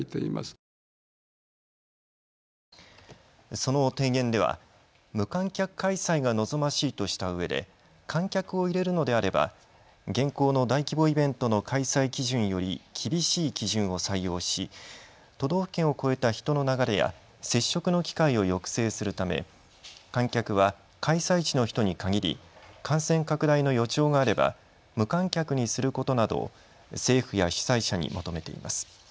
その提言では無観客開催が望ましいとしたうえで観客を入れるのであれば現行の大規模イベントの開催基準より厳しい基準を採用し都道府県を越えた人の流れや接触の機会を抑制するため観客は開催地の人に限り、感染拡大の予兆があれば無観客にすることなどを政府や主催者に求めています。